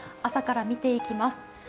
朝から見ていきます。